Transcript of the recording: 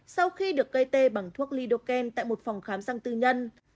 sau khi được gây tê bằng thuốc lidocan tại một phòng khám sang tư nhân